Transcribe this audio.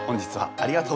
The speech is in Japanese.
ありがとう。